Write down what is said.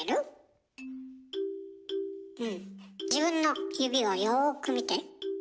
うん自分の指をよく見て。